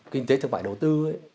kinh tế thương mại đầu tư